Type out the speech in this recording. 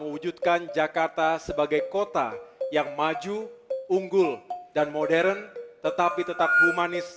mewujudkan jakarta sebagai kota yang maju unggul dan modern tetapi tetap humanis